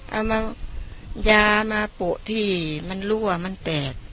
เอามายามาโปะที่มันรั่วมันแตก